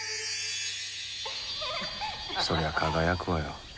そりゃ輝くわよ。